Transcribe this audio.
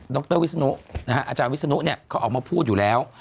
รวิศนุอาจารย์วิศนุเขาออกมาพูดอยู่แล้ว